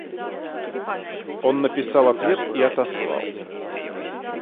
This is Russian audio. Он написал ответ и отослал.